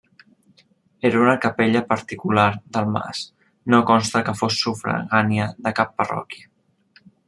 Era una capella particular del mas, no consta que fos sufragània de cap parròquia.